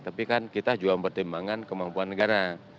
tapi kan kita juga mempertimbangkan kemampuan negara